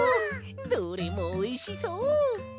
どれもおいしそう！